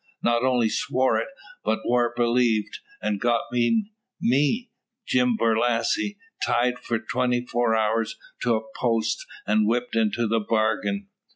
Not only swore it, but war believed; an' got me me, Jim Borlasse tied for twenty four hours to a post, and whipped into the bargain.